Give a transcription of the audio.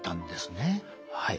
はい。